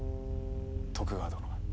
徳川殿。